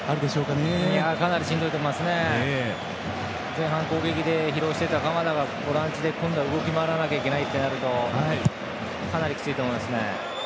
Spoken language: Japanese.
前半、攻撃で疲労した鎌田がボランチで今度は動き回らないといけないとなるとかなりきついと思います。